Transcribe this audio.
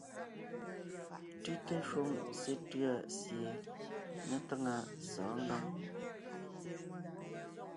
Tʉ́te shúm sétʉ̂a sie me táŋa sɔ̌ɔn ngǎŋ.